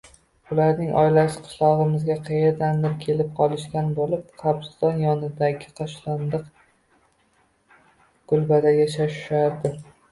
Ularning oilasi qishlog`imizga qaerdandir kelib qolishgan bo`lib, qabriston yonidagi tashlandiq kulbada yashashardi